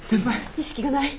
意識がない。